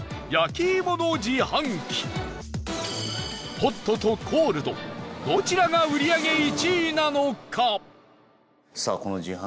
ホットとコールドどちらが売り上げ１位なのか？